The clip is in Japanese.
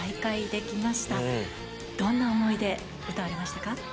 どんな思いで歌われましたか？